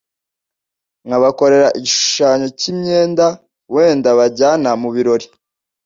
nkabakorera igishushanyo cy'imyenda wenda bajyana mu birori